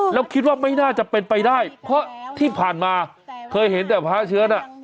แล้วคิดว่าไม่น่าจะเป็นไปได้เพราะที่ผ่านมาเคยเห็นแต่พระเชื้อน่ะ